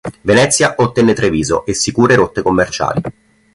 Venezia ottenne Treviso e sicure rotte commerciali.